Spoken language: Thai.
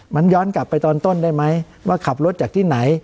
มันย้อนกลับไปตอนต้นได้ไหมว่าขับรถจากที่ไหน